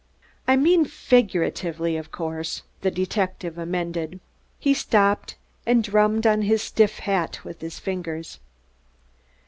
"I mean figuratively, of course," the detective amended. He stopped and drummed on his stiff hat with his fingers.